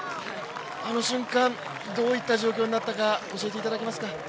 あの瞬間、どういった状況になったか教えていただけますか。